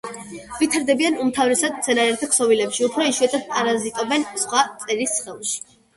ვითარდებიან უმთავრესად მცენარეთა ქსოვილებში, უფრო იშვიათად პარაზიტობენ სხვა მწერის სხეულში.